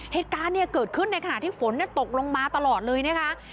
เหตุการณ์เนี่ยเกิดขึ้นในขณะที่ฝนตกลงมาตลอดเลยนะคะ